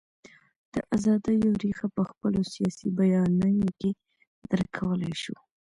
د ازادیو رېښه په خپلو سیاسي بیانیو کې درک کولای شو.